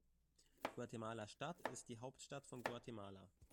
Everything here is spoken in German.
Guatemala-Stadt ist die Hauptstadt von Guatemala.